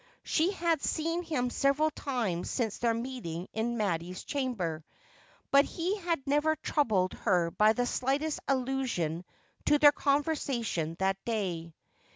She had seen him several times since their meeting in Mattie's chamber, but he had never troubled her by the slightest allusion to their conversation that day.